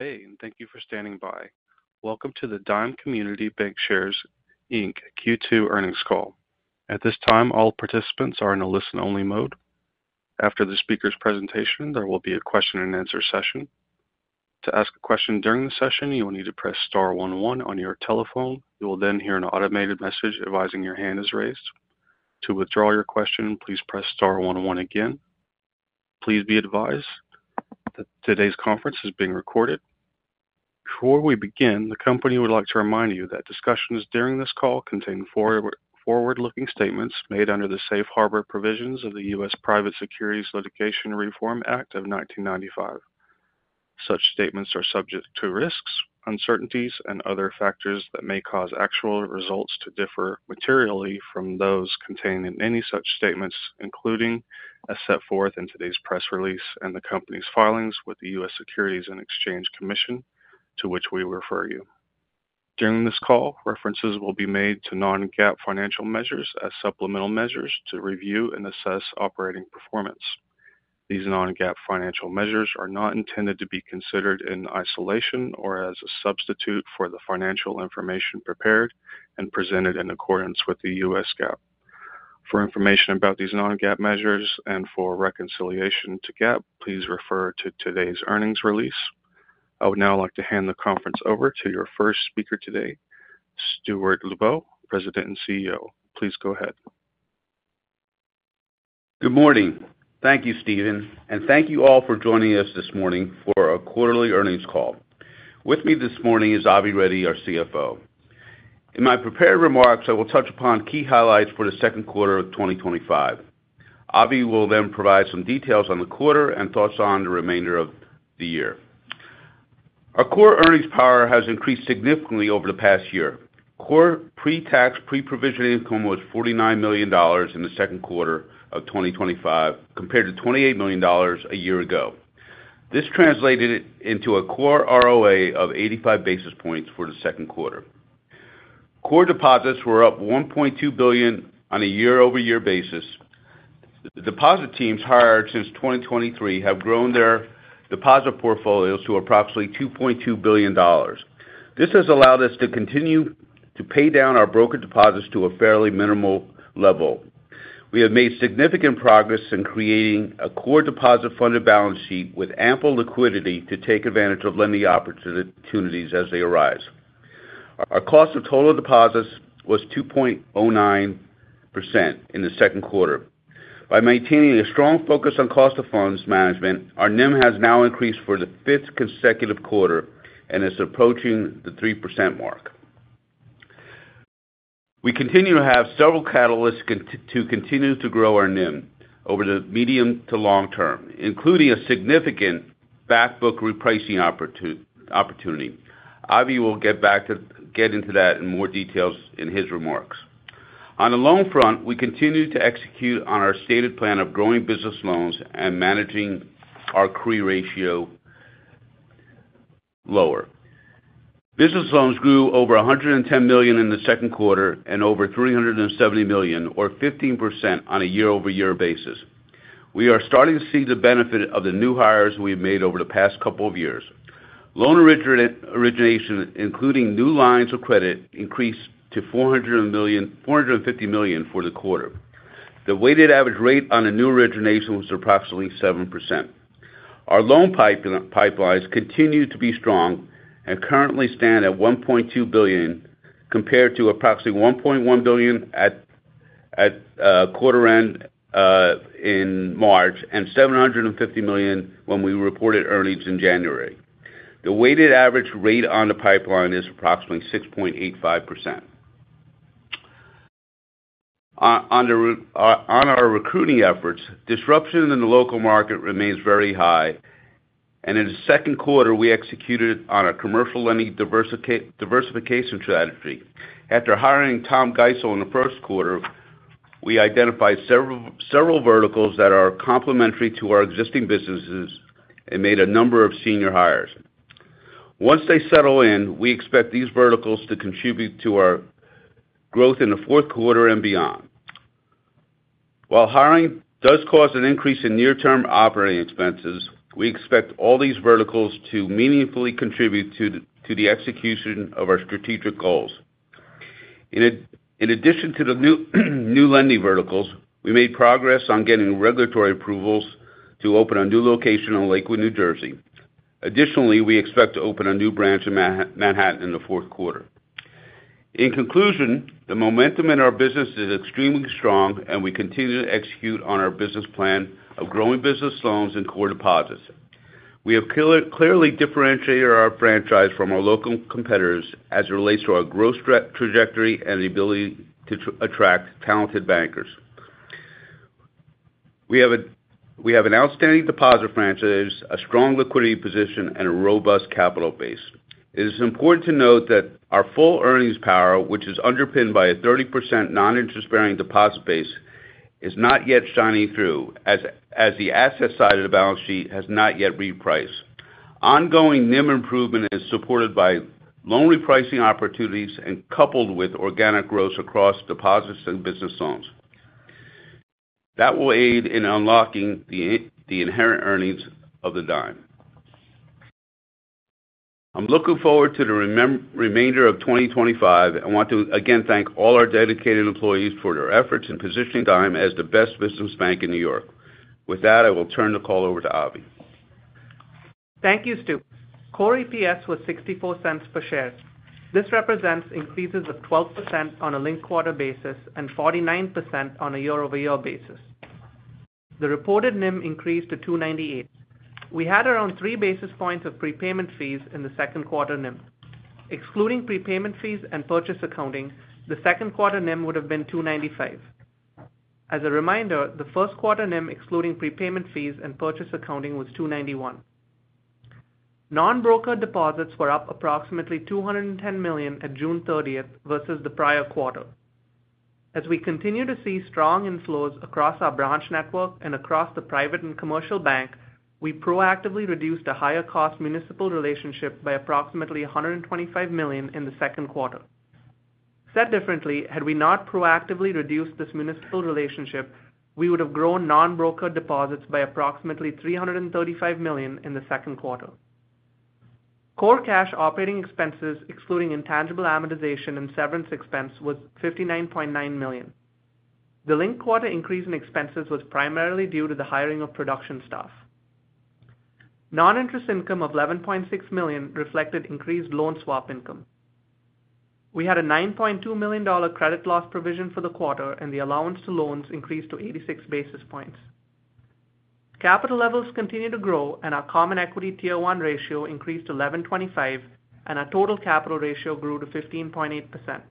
Hey, and thank you for standing by. Welcome to the Dime Community Bancshares Inc. Q2 earnings call. At this time, all participants are in a listen-only mode. After the speaker's presentation, there will be a question and answer session. To ask a question during the session, you will need to press *11 on your telephone. You will then hear an automated message advising your hand is raised. To withdraw your question, please press *11 again. Please be advised that today's conference is being recorded. Before we begin, the company would like to remind you that discussions during this call contain forward-looking statements made under the Safe Harbor provisions of the U.S. Private Securities Litigation Reform Act of 1995. Such statements are subject to risks, uncertainties, and other factors that may cause actual results to differ materially from those contained in any such statements, including as set forth in today's press release and the company's filings with the U.S. Securities and Exchange Commission, to which we refer you. During this call, references will be made to non-GAAP financial measures as supplemental measures to review and assess operating performance. These non-GAAP financial measures are not intended to be considered in isolation or as a substitute for the financial information prepared and presented in accordance with U.S. GAAP. For information about these non-GAAP measures and for reconciliation to GAAP, please refer to today's earnings release. I would now like to hand the conference over to your first speaker today, Stuart Lubow, President and CEO. Please go ahead. Good morning. Thank you, Stephen, and thank you all for joining us this morning for our quarterly earnings call. With me this morning is Avi Reddy, our CFO. In my prepared remarks, I will touch upon key highlights for the second quarter of 2025. Avi will then provide some details on the quarter and thoughts on the remainder of the year. Our core earnings power has increased significantly over the past year. Core pre-tax pre-provision income was $49 million in the second quarter of 2025, compared to $28 million a year ago. This translated into a core ROA of 85 basis points for the second quarter. Core deposits were up $1.2 billion on a year-over-year basis. The deposit teams hired since 2023 have grown their deposit portfolios to approximately $2.2 billion. This has allowed us to continue to pay down our brokered deposits to a fairly minimal level. We have made significant progress in creating a core deposit-funded balance sheet with ample liquidity to take advantage of lending opportunities as they arise. Our cost of total deposits was 2.09% in the second quarter. By maintaining a strong focus on cost of funds management, our NIM has now increased for the fifth consecutive quarter and is approaching the 3% mark. We continue to have several catalysts to continue to grow our NIM over the medium to long term, including a significant backbook repricing opportunity. Avi will get into that in more detail in his remarks. On the loan front, we continue to execute on our stated plan of growing business loans and managing our CRE ratio lower. Business loans grew over $110 million in the second quarter and over $370 million, or 15% on a year-over-year basis. We are starting to see the benefit of the new hires we've made over the past couple of years. Loan origination, including new lines of credit, increased to $450 million for the quarter. The weighted average rate on new origination was approximately 7%. Our loan pipeline continues to be strong and currently stands at $1.2 billion, compared to approximately $1.1 billion at quarter end in March and $750 million when we reported earnings in January. The weighted average rate on the pipeline is approximately 6.85%. On our recruiting efforts, disruption in the local market remains very high, and in the second quarter, we executed on a commercial lending diversification strategy. After hiring Tom Geisel in the first quarter, we identified several verticals that are complementary to our existing businesses and made a number of senior hires. Once they settle in, we expect these verticals to contribute to our growth in the fourth quarter and beyond. While hiring does cause an increase in near-term operating expenses, we expect all these verticals to meaningfully contribute to the execution of our strategic goals. In addition to the new lending verticals, we made progress on getting regulatory approvals to open a new location in Lakewood, New Jersey. Additionally, we expect to open a new branch in Manhattan in the fourth quarter. In conclusion, the momentum in our business is extremely strong, and we continue to execute on our business plan of growing business loans and core deposits. We have clearly differentiated our franchise from our local competitors as it relates to our growth trajectory and the ability to attract talented bankers. We have an outstanding deposit franchise, a strong liquidity position, and a robust capital base. It is important to note that our full earnings power, which is underpinned by a 30% non-interest-bearing deposit base, is not yet shining through, as the asset side of the balance sheet has not yet repriced. Ongoing NIM improvement is supported by loan repricing opportunities and coupled with organic growth across deposits and business loans. That will aid in unlocking the inherent earnings of Dime. I'm looking forward to the remainder of 2025 and want to again thank all our dedicated employees for their efforts in positioning Dime as the best business bank in New York. With that, I will turn the call over to Avi. Thank you, Stu. Core EPS was $0.64 per share. This represents increases of 12% on a linked quarter basis and 49% on a year-over-year basis. The reported NIM increased to 2.98%. We had around 3 basis points of prepayment fees in the second quarter NIM. Excluding prepayment fees and purchase accounting, the second quarter NIM would have been 2.95%. As a reminder, the first quarter NIM, excluding prepayment fees and purchase accounting, was 2.91%. Non-brokered deposits were up approximately $210 million at June 30th versus the prior quarter. As we continue to see strong inflows across our branch network and across the private and commercial bank, we proactively reduced a higher-cost municipal relationship by approximately $125 million in the second quarter. Said differently, had we not proactively reduced this municipal relationship, we would have grown non-brokered deposits by approximately $335 million in the second quarter. Core cash operating expenses, excluding intangible amortization and severance expense, were $59.9 million. The linked quarter increase in expenses was primarily due to the hiring of production staff. Non-interest income of $11.6 million reflected increased loan swap income. We had a $9.2 million credit loss provision for the quarter, and the allowance to loans increased to 86 basis points. Capital levels continue to grow, and our common equity tier 1 ratio increased to 11.25%, and our total capital ratio grew to 15.8%.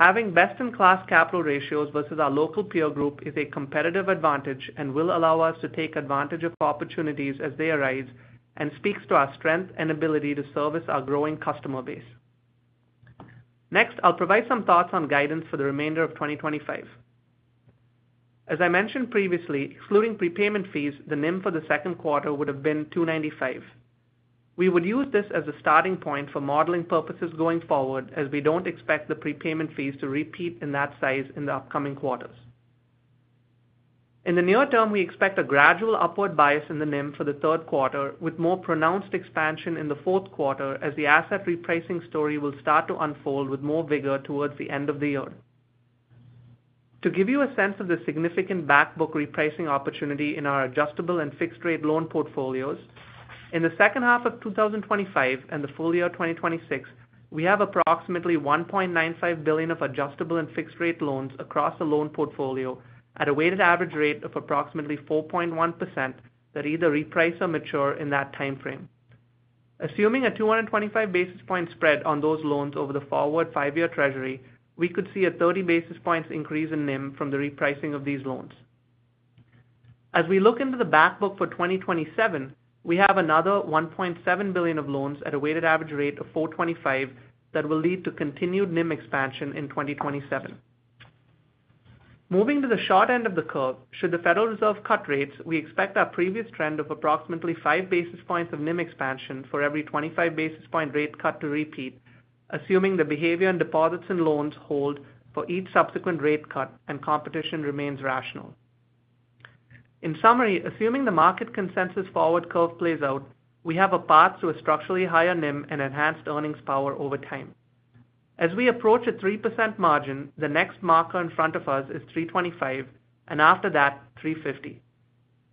Having best-in-class capital ratios versus our local peer group is a competitive advantage and will allow us to take advantage of opportunities as they arise and speaks to our strength and ability to service our growing customer base. Next, I'll provide some thoughts on guidance for the remainder of 2025. As I mentioned previously, excluding prepayment fees, the NIM for the second quarter would have been 2.95%. We would use this as a starting point for modeling purposes going forward, as we don't expect the prepayment fees to repeat in that size in the upcoming quarters. In the near term, we expect a gradual upward bias in the NIM for the third quarter, with more pronounced expansion in the fourth quarter, as the asset repricing story will start to unfold with more vigor towards the end of the year. To give you a sense of the significant backbook repricing opportunity in our adjustable and fixed-rate loan portfolios, in the second half of 2025 and the full year 2026, we have approximately $1.95 billion of adjustable and fixed-rate loans across the loan portfolio at a weighted average rate of approximately 4.1% that either reprice or mature in that timeframe. Assuming a 225 basis point spread on those loans over the forward five-year Treasury, we could see a 30 basis points increase in NIM from the repricing of these loans. As we look into the backbook for 2027, we have another $1.7 billion of loans at a weighted average rate of 4.25% that will lead to continued NIM expansion in 2027. Moving to the short end of the curve, should the Federal Reserve cut rates, we expect our previous trend of approximately 5 basis points of NIM expansion for every 25 basis point rate cut to repeat, assuming the behavior and deposits in loans hold for each subsequent rate cut and competition remains rational. In summary, assuming the market consensus forward curve plays out, we have a path to a structurally higher NIM and enhanced earnings power over time. As we approach a 3% margin, the next marker in front of us is 3.25%, and after that, 3.50%.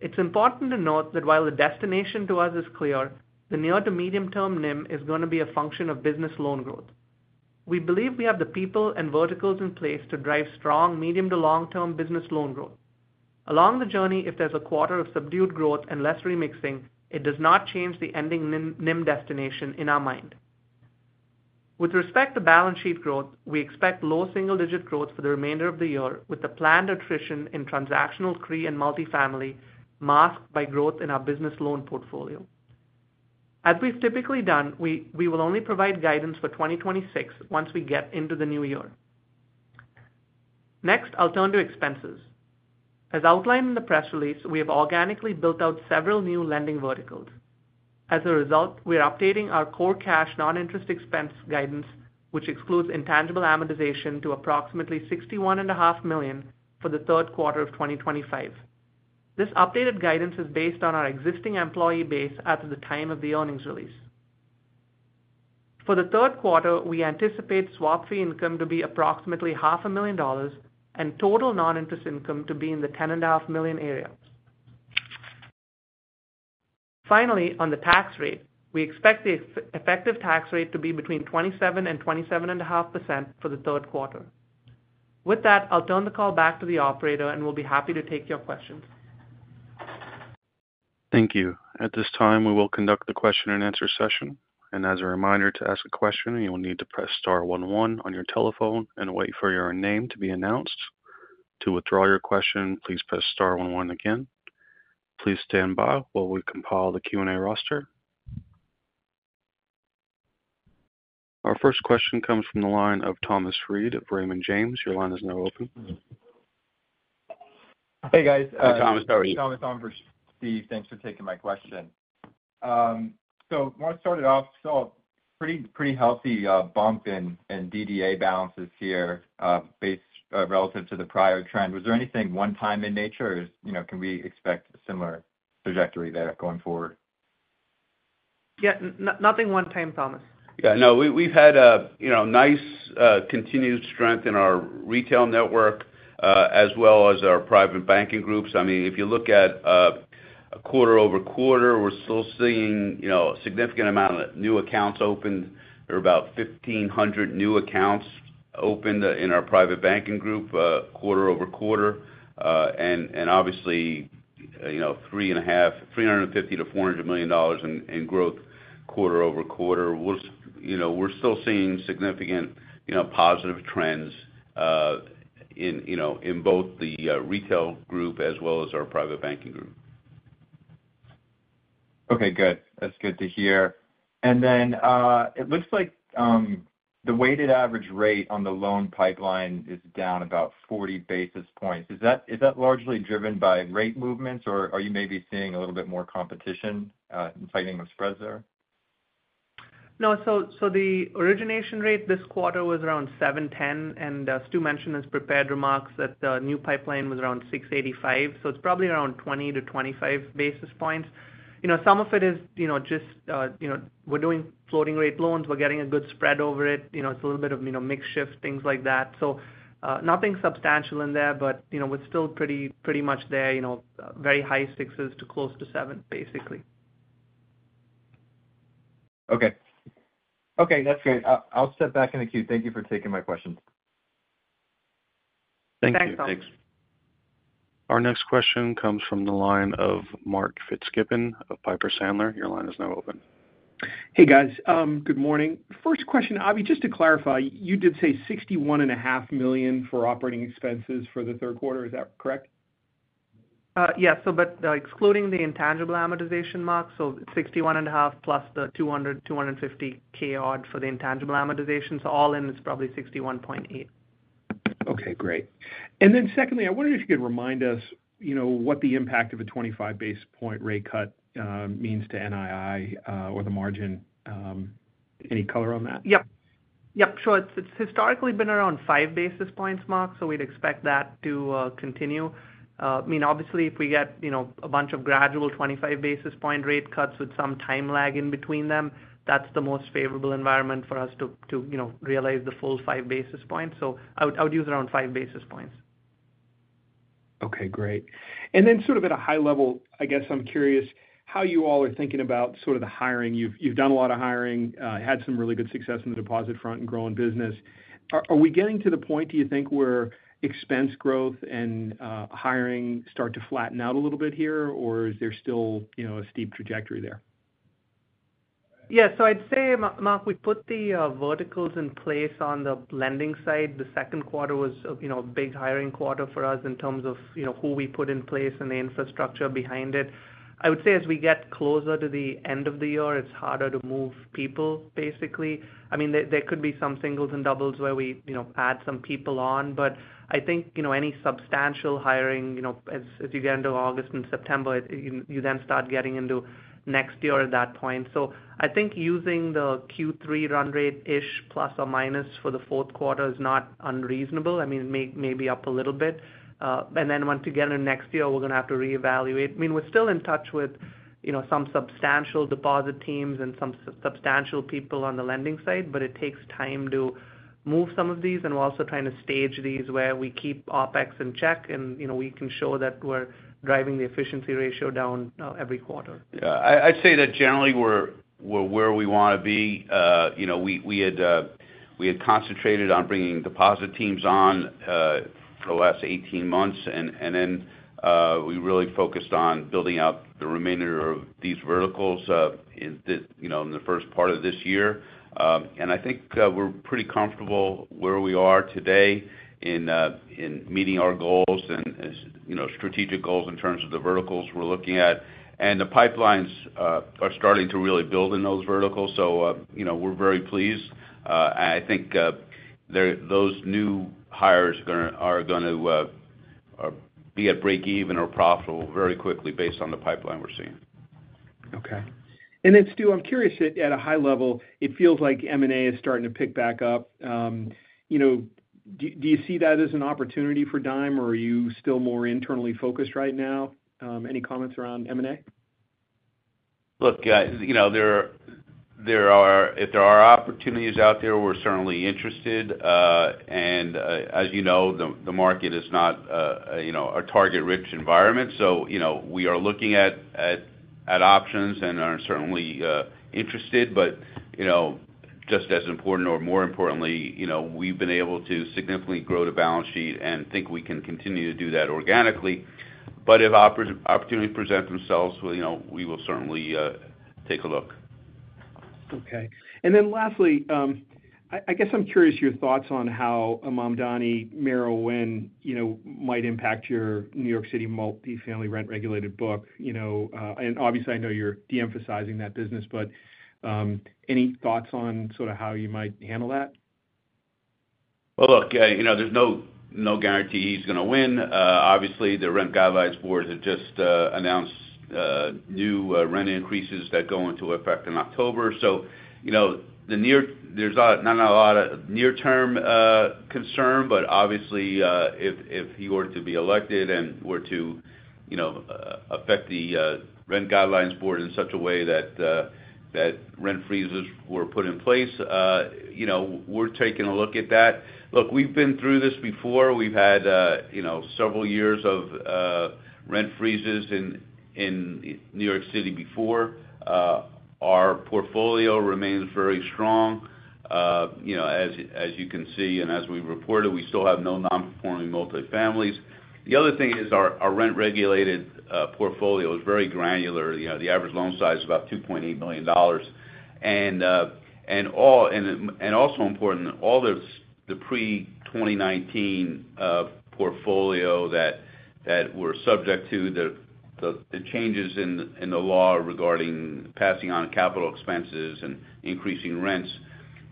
It's important to note that while the destination to us is clear, the near to medium term NIM is going to be a function of business loan growth. We believe we have the people and verticals in place to drive strong medium to long term business loan growth. Along the journey, if there's a quarter of subdued growth and less remixing, it does not change the ending NIM destination in our mind. With respect to balance sheet growth, we expect low single-digit growth for the remainder of the year, with the planned attrition in transactional CRE and multifamily masked by growth in our business loan portfolio. As we've typically done, we will only provide guidance for 2026 once we get into the new year. Next, I'll turn to expenses. As outlined in the press release, we have organically built out several new lending verticals. As a result, we are updating our core cash non-interest expense guidance, which excludes intangible amortization, to approximately $61.5 million for the third quarter of 2025. This updated guidance is based on our existing employee base at the time of the earnings release. For the third quarter, we anticipate swap fee income to be approximately $0.5 million and total non-interest income to be in the $10.5 million area. Finally, on the tax rate, we expect the effective tax rate to be between 27% and 27.5% for the third quarter. With that, I'll turn the call back to the operator, and we'll be happy to take your questions. Thank you. At this time, we will conduct the question and answer session. As a reminder, to ask a question, you will need to press *11 on your telephone and wait for your name to be announced. To withdraw your question, please press *11 again. Please stand by while we compile the Q&A roster. Our first question comes from the line of Thomas Reid of Raymond James. Your line is now open. Hey, guys. Hey, Thomas. How are you? Thanks for taking my question. I want to start it off. Saw a pretty, pretty healthy bump in DDA balances here based relative to the prior trend. Was there anything one-time in nature, or can we expect a similar trajectory there going forward? Yeah, nothing one-time, Thomas. Yeah, no, we've had a nice continued strength in our retail network as well as our private banking groups. If you look at a quarter over quarter, we're still seeing a significant amount of new accounts open. There are about 1,500 new accounts opened in our private banking group quarter over quarter. Obviously, you know, $350 million to $400 million in growth quarter over quarter. We're still seeing significant positive trends in both the retail group as well as our private banking group. Okay, good. That's good to hear. It looks like the weighted average rate on the loan pipeline is down about 40 basis points. Is that largely driven by rate movements, or are you maybe seeing a little bit more competition, tightening of spreads there? No, the origination rate this quarter was around 7.10%, and as Stu mentioned in his prepared remarks, the new pipeline was around 6.85%. It's probably around 20 to 25 basis points. Some of it is just we're doing floating rate loans. We're getting a good spread over it. It's a little bit of makeshift, things like that. Nothing substantial in there, but we're still pretty much there, very high sixes to close to seven, basically. Okay, that's good. I'll step back in the queue. Thank you for taking my question. Thank you. Thanks, Thomas. Our next question comes from the line of Mark Fitzgibbon of Piper Sandler. Your line is now open. Hey, guys. Good morning. First question, Avi, just to clarify, you did say $61.5 million for operating expenses for the third quarter. Is that correct? Excluding the intangible amortization mark, $61.5 million plus the $200,000, $250,000 odd for the intangible amortization, all in, it's probably $61.8 million. Okay, great. Secondly, I wonder if you could remind us what the impact of a 25 basis point rate cut means to NII or the margin. Any color on that? It's historically been around five basis points, so we'd expect that to continue. Obviously, if we get a bunch of gradual 25 basis point rate cuts with some time lag in between them, that's the most favorable environment for us to realize the full five basis points. I would use around five basis points. Okay, great. At a high level, I guess I'm curious how you all are thinking about the hiring. You've done a lot of hiring, had some really good success in the deposit front and grown business. Are we getting to the point, do you think, where expense growth and hiring start to flatten out a little bit here, or is there still a steep trajectory there? Yeah, I'd say, Mark, we put the verticals in place on the lending side. The second quarter was a big hiring quarter for us in terms of who we put in place and the infrastructure behind it. As we get closer to the end of the year, it's harder to move people, basically. There could be some singles and doubles where we add some people on, but I think any substantial hiring, as you get into August and September, you then start getting into next year at that point. I think using the Q3 run rate-ish plus or minus for the fourth quarter is not unreasonable, maybe up a little bit. Once we get into next year, we're going to have to reevaluate. We're still in touch with some substantial deposit teams and some substantial people on the lending side, but it takes time to move some of these, and we're also trying to stage these where we keep OpEx in check, and we can show that we're driving the efficiency ratio down every quarter. Yeah, I'd say that generally we're where we want to be. We had concentrated on bringing deposit teams on for the last 18 months, and then we really focused on building up the remainder of these verticals in the first part of this year. I think we're pretty comfortable where we are today in meeting our goals and strategic goals in terms of the verticals we're looking at. The pipelines are starting to really build in those verticals, so we're very pleased. I think those new hires are going to be at break even or profitable very quickly based on the pipeline we're seeing. Okay. Stu, I'm curious, at a high level, it feels like M&A is starting to pick back up. Do you see that as an opportunity for Dime, or are you still more internally focused right now? Any comments around M&A? Look, there are opportunities out there, we're certainly interested. As you know, the market is not a target-rich environment. We are looking at options and are certainly interested. Just as important, or more importantly, we've been able to significantly grow the balance sheet and think we can continue to do that organically. If opportunities present themselves, we will certainly take a look. Okay. Lastly, I guess I'm curious your thoughts on how a Mamdani-Myrie win, you know, might impact your New York City multifamily rent-regulated book. Obviously, I know you're de-emphasizing that business, but any thoughts on sort of how you might handle that? Look, you know, there's no guarantee he's going to win. Obviously, the Rent Guidelines Board had just announced new rent increases that go into effect in October. You know, there's not a lot of near-term concern, but obviously, if he were to be elected and were to, you know, affect the Rent Guidelines Board in such a way that rent freezes were put in place, we're taking a look at that. We've been through this before. We've had several years of rent freezes in New York City before. Our portfolio remains very strong, as you can see, and as we reported, we still have no non-performing multifamilies. The other thing is our rent-regulated portfolio is very granular. The average loan size is about $2.8 million. Also important, all the pre-2019 portfolio that we're subject to, the changes in the law regarding passing on capital expenses and increasing rents,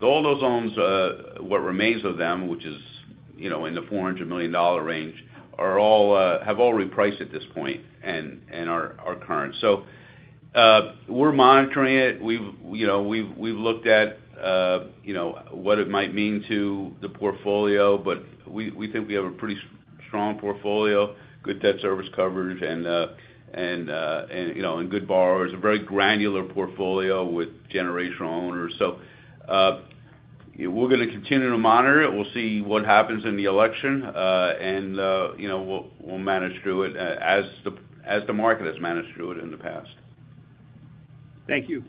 all those loans, what remains of them, which is in the $400 million range, have all repriced at this point and are current. We're monitoring it. We've looked at what it might mean to the portfolio, but we think we have a pretty strong portfolio, good debt service coverage, and good borrowers, a very granular portfolio with generational owners. We're going to continue to monitor it. We'll see what happens in the election, and we'll manage through it as the market has managed through it in the past. Thank you.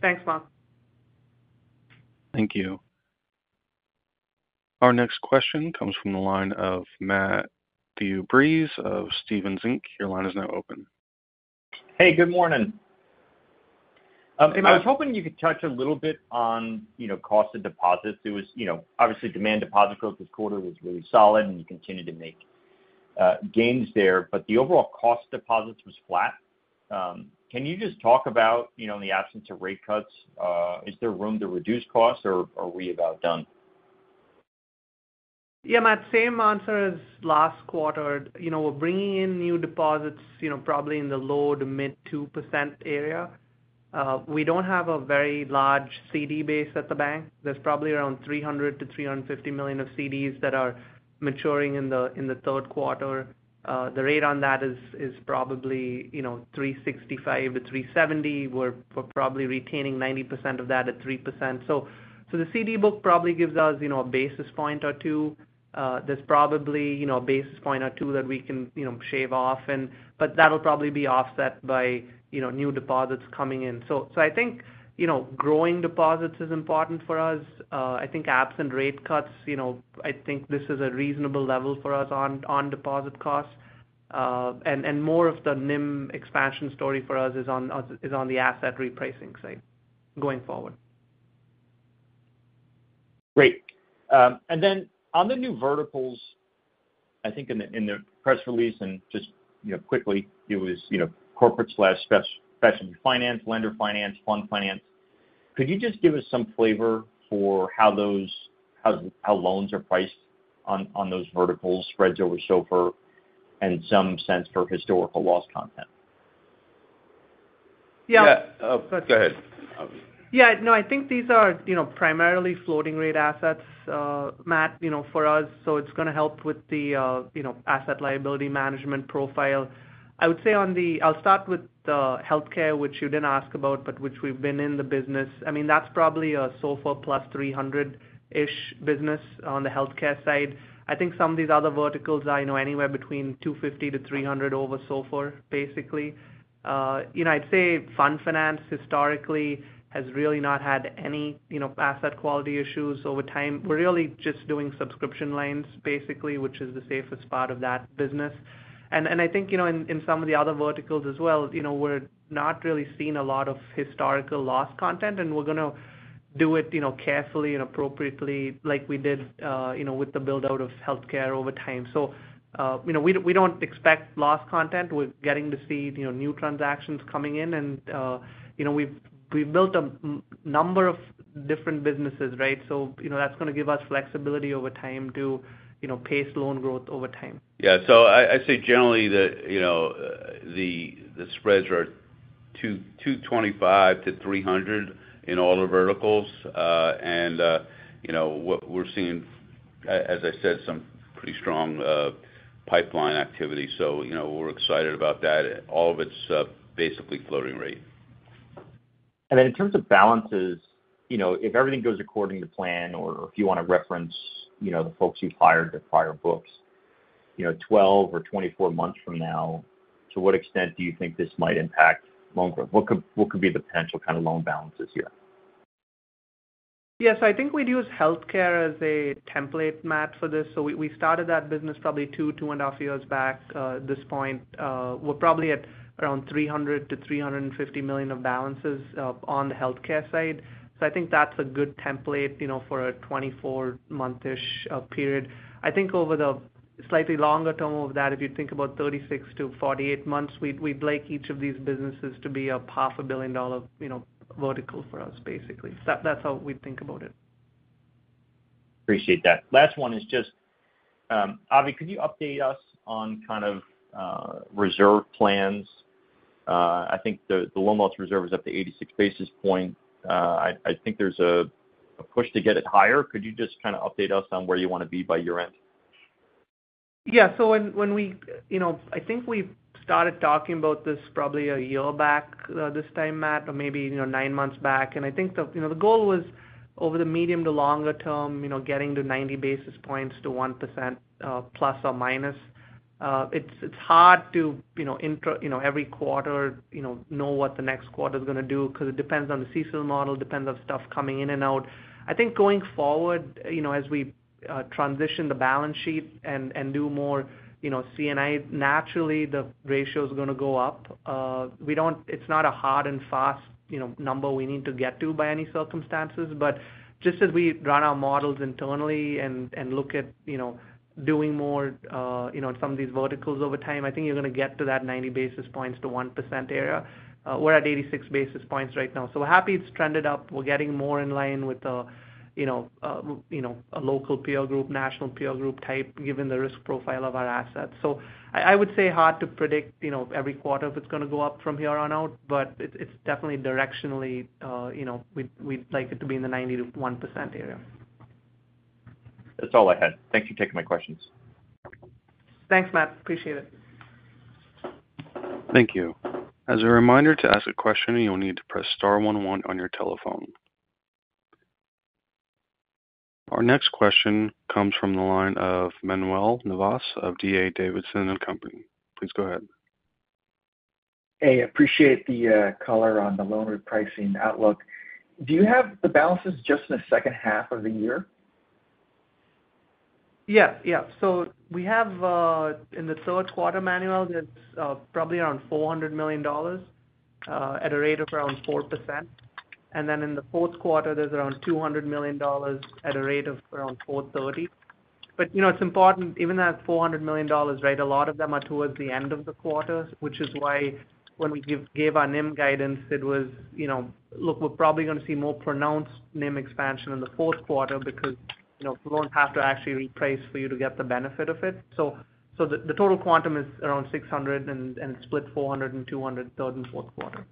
Thanks, Mark. Thank you. Our next question comes from the line of Matthew Breese of Stephens Inc. Your line is now open. Hey, good morning. Hey, Matt, I was hoping you could touch a little bit on, you know, cost of deposits. It was, you know, obviously demand deposit growth this quarter was really solid, and you continued to make gains there, but the overall cost of deposits was flat. Can you just talk about, you know, in the absence of rate cuts, is there room to reduce costs, or are we about done? Yeah, Matt, same answer as last quarter. We're bringing in new deposits, probably in the low to mid-2% area. We don't have a very large CD base at the bank. There's probably around $300 million-$350 million of CDs that are maturing in the third quarter. The rate on that is probably $3.65%-$3.70%. We're probably retaining 90% of that at 3%. The CD book probably gives us a basis point or two. There's probably a basis point or two that we can shave off, but that'll probably be offset by new deposits coming in. I think growing deposits is important for us. I think absent rate cuts, this is a reasonable level for us on deposit costs. More of the NIM expansion story for us is on the asset repricing side going forward. Great. On the new verticals, I think in the press release and just, you know, quickly, it was, you know, corporate slash specialty finance, lender finance, fund finance. Could you just give us some flavor for how those, how loans are priced on those verticals, spreads over SOFR, and some sense for historical loss content? Yeah. Yeah, go ahead. Yeah, no, I think these are primarily floating rate assets, Matt, for us. It's going to help with the asset liability management profile. I would say on the, I'll start with the healthcare, which you didn't ask about, but which we've been in the business. That's probably a SOFR plus $300-ish business on the healthcare side. I think some of these other verticals are anywhere between $250-$300 over SOFR, basically. I'd say fund finance historically has really not had any asset quality issues over time. We're really just doing subscription lines, basically, which is the safest part of that business. I think in some of the other verticals as well, we're not really seeing a lot of historical loss content, and we're going to do it carefully and appropriately, like we did with the build-out of healthcare over time. We don't expect loss content. We're getting to see new transactions coming in, and we've built a number of different businesses, right? That's going to give us flexibility over time to pace loan growth over time. I say generally that the spreads are $225-$300 in all the verticals. We're seeing, as I said, some pretty strong pipeline activity. We're excited about that. All of it's basically floating rate. In terms of balances, if everything goes according to plan, or if you want to reference the folks you've hired to prior books, 12 or 24 months from now, to what extent do you think this might impact loan growth? What could be the potential kind of loan balances here? Yeah, I think we do use healthcare as a template, Matt, for this. We started that business probably two, two and a half years back at this point. We're probably at around $300 million-$350 million of balances on the healthcare side. I think that's a good template for a 24-month-ish period. Over the slightly longer term, if you think about 36 to 48 months, we'd like each of these businesses to be a $0.5 billion vertical for us, basically. That's how we'd think about it. Appreciate that. Last one is just, Avi, could you update us on kind of reserve plans? I think the loan loss reserve is up to 86 basis points. I think there's a push to get it higher. Could you just kind of update us on where you want to be by year-end? Yeah, when we, you know, I think we've started talking about this probably a year back this time, Matt, or maybe nine months back. I think the goal was over the medium to longer term, getting to 90 basis points to 1% plus or minus. It's hard to, you know, every quarter, know what the next quarter is going to do because it depends on the CECL model, depends on stuff coming in and out. I think going forward, as we transition the balance sheet and do more CNI, naturally the ratio is going to go up. It's not a hard and fast number we need to get to by any circumstances, but just as we run our models internally and look at doing more in some of these verticals over time, I think you're going to get to that 90 basis points to 1% area. We're at 86 basis points right now. We're happy it's trended up. We're getting more in line with a local peer group, national peer group type, given the risk profile of our assets. I would say hard to predict every quarter if it's going to go up from here on out, but it's definitely directionally, we'd like it to be in the 90 to 1% area. That's all I had. Thanks for taking my questions. Thanks, Matt. Appreciate it. Thank you. As a reminder, to ask a question, you'll need to press *11 on your telephone. Our next question comes from the line of Manuel Navas of D.A. Davidson & Company. Please go ahead. Hey, I appreciate the color on the loan repricing outlook. Do you have the balances just in the second half of the year? Yeah. We have in the third quarter, Manuel, that's probably around $400 million at a rate of around 4%. In the fourth quarter, there's around $200 million at a rate of around 4.30%. It's important, even as $400 million, a lot of them are towards the end of the quarter, which is why when we gave our NIM guidance, it was, you know, look, we're probably going to see more pronounced NIM expansion in the fourth quarter because we won't have to actually reprice for you to get the benefit of it. The total quantum is around $600 million and split $400 million and $200 million third and fourth quarter.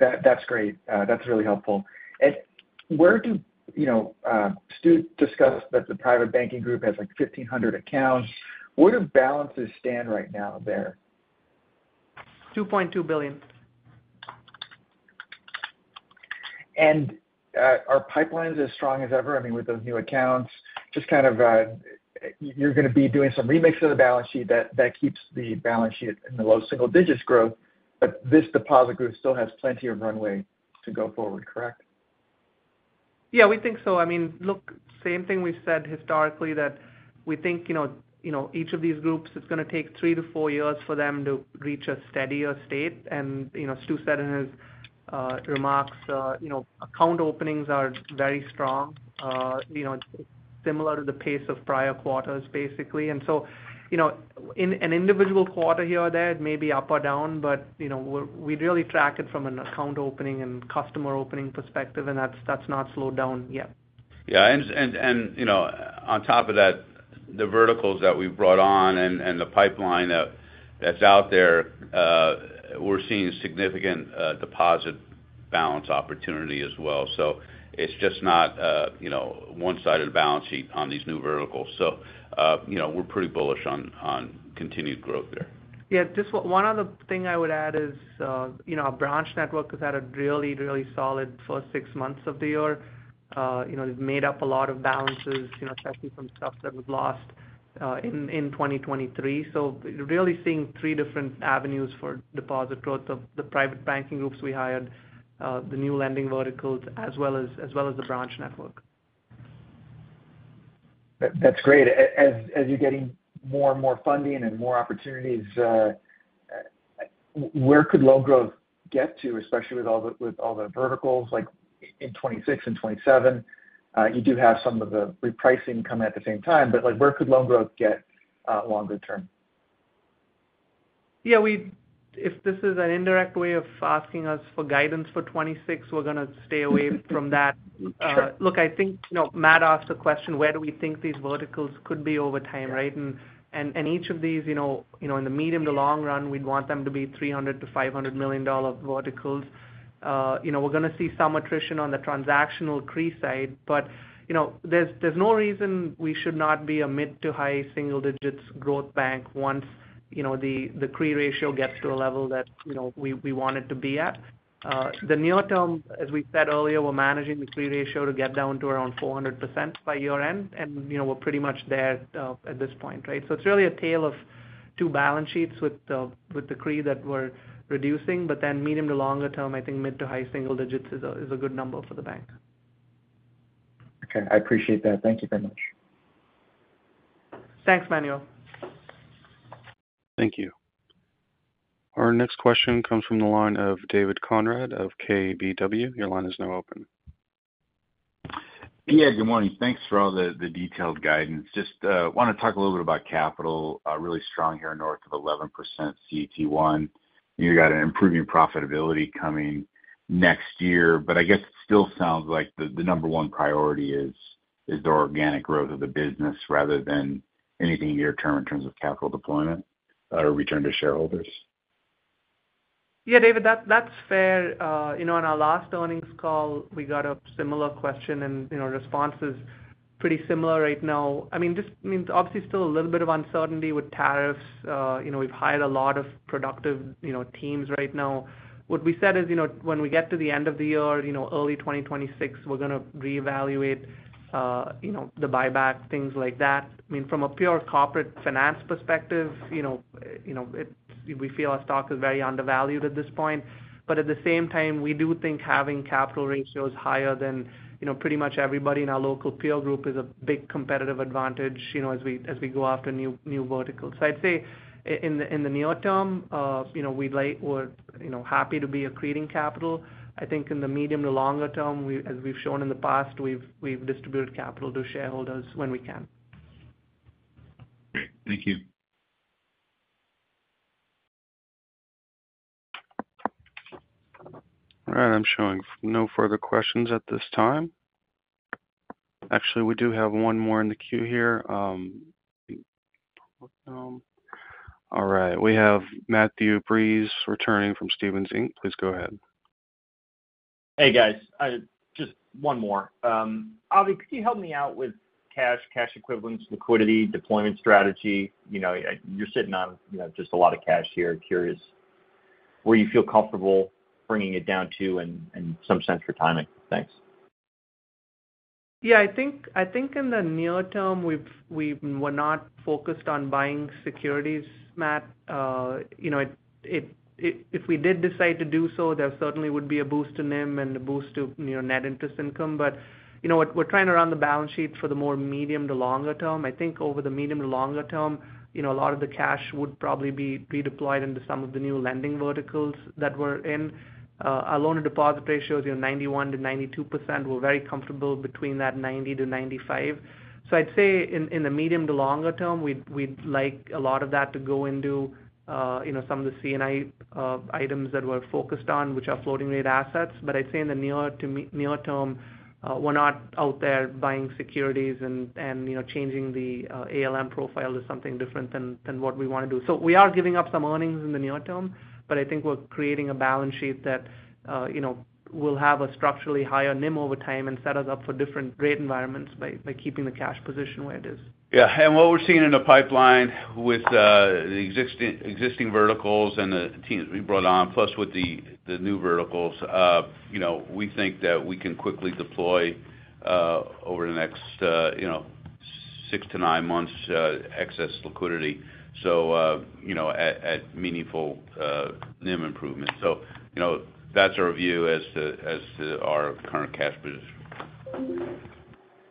That's great. That's really helpful. Where do, you know, Stu discussed that the private banking group has like 1,500 accounts, where do balances stand right now there? $2.2 billion. Are pipelines as strong as ever? I mean, with those new accounts, you're going to be doing some remix of the balance sheet that keeps the balance sheet in the low single-digit growth, but this deposit group still has plenty of runway to go forward, correct? Yeah, we think so. I mean, look, same thing we've said historically that we think each of these groups, it's going to take three to four years for them to reach a steadier state. Stu said in his remarks, account openings are very strong, similar to the pace of prior quarters, basically. In an individual quarter here or there, it may be up or down, but we really track it from an account opening and customer opening perspective, and that's not slowed down yet. Yeah, on top of that, the verticals that we've brought on and the pipeline that's out there, we're seeing significant deposit balance opportunity as well. It's just not one-sided balance sheet on these new verticals. We're pretty bullish on continued growth there. Yeah, just one other thing I would add is, you know, our branch network has had a really, really solid first six months of the year. They've made up a lot of balances, especially from stuff that we've lost in 2023. Really seeing three different avenues for deposit growth of the private banking groups we hired, the new lending verticals, as well as the branch network. That's great. As you're getting more and more funding and more opportunities, where could loan growth get to, especially with all the verticals, like in 2026 and 2027? You do have some of the repricing coming at the same time, but like where could loan growth get longer term? Yeah, if this is an indirect way of asking us for guidance for 2026, we're going to stay away from that. Look, I think, you know, Matt asked a question, where do we think these verticals could be over time, right? Each of these, in the medium to long run, we'd want them to be $300 million-$500 million verticals. We're going to see some attrition on the transactional CRI side, but there's no reason we should not be a mid to high single-digits growth bank once the CRI ratio gets to a level that we want it to be at. In the near term, as we said earlier, we're managing the CRI ratio to get down to around 400% by year-end, and we're pretty much there at this point, right? It's really a tale of two balance sheets with the CRI that we're reducing, but then medium to longer term, I think mid to high single digits is a good number for the bank. Okay, I appreciate that. Thank you very much. Thanks, Manuel. Thank you. Our next question comes from the line of David Konrad of KBW. Your line is now open. Yeah, good morning. Thanks for all the detailed guidance. Just want to talk a little bit about capital. Really strong here north of 11% CET1. You've got an improving profitability coming next year, but I guess it still sounds like the number one priority is the organic growth of the business rather than anything near-term in terms of capital deployment or return to shareholders. Yeah, David, that's fair. On our last earnings call, we got a similar question and response is pretty similar right now. Obviously, still a little bit of uncertainty with tariffs. We've hired a lot of productive teams right now. What we said is, when we get to the end of the year, early 2026, we're going to reevaluate the buyback, things like that. From a pure corporate finance perspective, we feel our stock is very undervalued at this point. At the same time, we do think having capital ratios higher than pretty much everybody in our local peer group is a big competitive advantage as we go after new verticals. I'd say in the near term, we'd like, we're happy to be accreting capital. I think in the medium to longer term, as we've shown in the past, we've distributed capital to shareholders when we can. Great, thank you. All right, I'm showing no further questions at this time. Actually, we do have one more in the queue here. All right, we have Matthew Breese returning from Stephens Inc. Please go ahead. Hey guys, just one more. Avi, could you help me out with cash, cash equivalents, liquidity, deployment strategy? You're sitting on just a lot of cash here. Curious where you feel comfortable bringing it down to and some sense for timing. Thanks. Yeah, I think in the near term, we're not focused on buying securities, Matt. If we did decide to do so, there certainly would be a boost in NIM and a boost to net interest income. We're trying to run the balance sheet for the more medium to longer term. I think over the medium to longer term, a lot of the cash would probably be redeployed into some of the new lending verticals that we're in. Our loan to deposit ratio is 91%-92%. We're very comfortable between that 90%-95%. I'd say in the medium to longer term, we'd like a lot of that to go into some of the CNI items that we're focused on, which are floating rate assets. I'd say in the near term, we're not out there buying securities and changing the ALM profile to something different than what we want to do. We are giving up some earnings in the near term, but I think we're creating a balance sheet that will have a structurally higher NIM over time and set us up for different rate environments by keeping the cash position where it is. Yeah, what we're seeing in the pipeline with the existing verticals and the teams we brought on, plus with the new verticals, we think that we can quickly deploy over the next six to nine months excess liquidity at meaningful NIM improvements. That's our view as to our current cash position.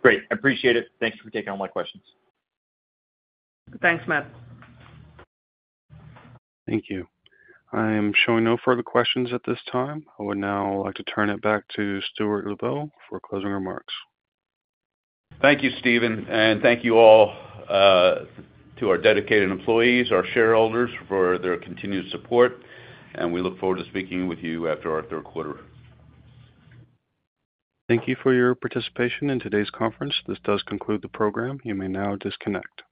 Great, I appreciate it. Thanks for taking all my questions. Thanks, Matt. Thank you. I am showing no further questions at this time. I would now like to turn it back to Stuart Lubow for closing remarks. Thank you, Steven, and thank you all to our dedicated employees, our shareholders for their continued support, and we look forward to speaking with you after our third quarter. Thank you for your participation in today's conference. This does conclude the program. You may now disconnect.